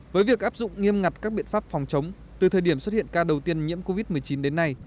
với việc áp dụng nghiêm ngặt các biện pháp phòng chống từ thời điểm xuất hiện ca đầu tiên nhiễm covid một mươi chín đến nay